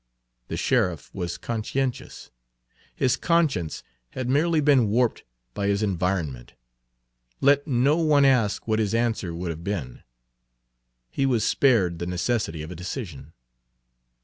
The sheriff was conscientious; his conscience had merely been warped by his environment. Let no one ask what his answer would have been; he was spared the necessity of a decision.